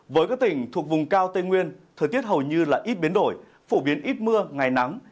với các tỉnh thuộc vùng cao tây nguyên thời tiết hầu như ít biến đổi phổ biến ít mưa ngày nắng